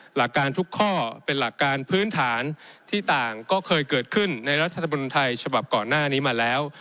หลักการทุกข้อเป็นหลักการพื้นฐานที่ต่างก็เคยเกิดขึ้นในรัฐธรรมนุนไทยฉบับก่อนหน้านี้มาแล้ว